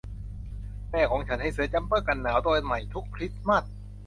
แม่ของฉันให้เสื้อจัมเปอร์กันหนาวตัวใหม่ทุกคริสต์มาส